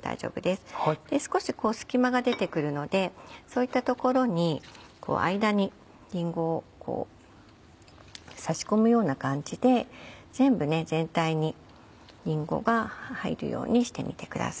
で少しこう隙間が出てくるのでそういったところに間にりんごを差し込むような感じで全部ね全体にりんごが入るようにしてみてください。